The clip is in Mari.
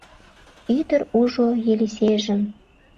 Ӱдыр ужо Елисейжым.